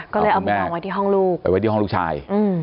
ก็เลยเอามาวางไว้ที่ห้องลูกไปไว้ที่ห้องลูกชาย